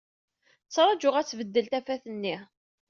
Ttṛajuɣ ad tbeddel tafat-nni.